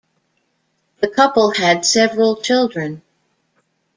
The couple had several children.